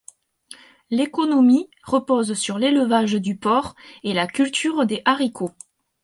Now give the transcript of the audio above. L'économie repose sur l'élevage du porc et la culture des haricots.